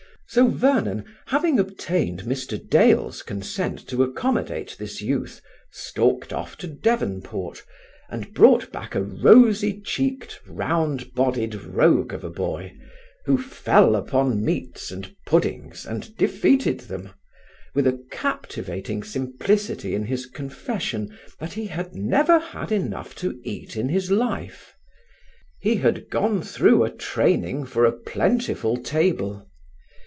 So Vernon, having obtained Mr. Dale's consent to accommodate this youth, stalked off to Devonport, and brought back a rosy cheeked, round bodied rogue of a boy, who fell upon meats and puddings, and defeated them, with a captivating simplicity in his confession that he had never had enough to eat in his life. He had gone through a training for a plentiful table.